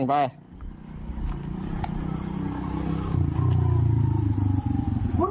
อ้าวเดี๋ยวไปกินที่บ้านกัน